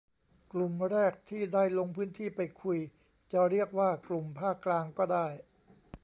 กลุ่มแรกที่ได้ลงพื้นที่ไปคุย จะเรียกว่ากลุ่มภาคกลางก็ได้